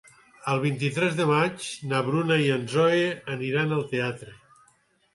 El vint-i-tres de maig na Bruna i na Zoè aniran al teatre.